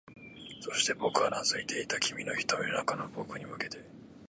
そして、僕はうなずいていた、君の瞳の中の僕に向けて